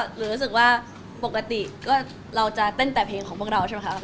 หรือรู้สึกว่าปกติก็เราจะเต้นแต่เพลงของพวกเราใช่ไหมคะ